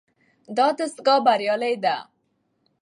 دا دستګاه بریالۍ ده.